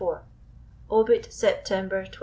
Obiit September 12.